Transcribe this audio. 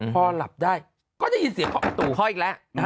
พอหลับได้ก็จะยินเสียของประตูพ่ออีกแล้ว